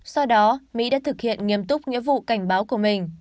sau đó mỹ đã thực hiện nghiêm túc nghĩa vụ cảnh báo của mình